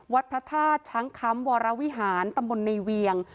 วัดพระธาตุช้างค้ำวรวิหารตำบลในเวียง